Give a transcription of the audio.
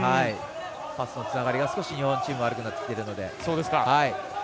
パスのつながりが日本チーム悪くなってきているので。